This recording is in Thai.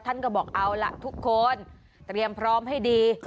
ท่านก็บอกเอาล่ะทุกคนเตรียมพร้อมให้ดี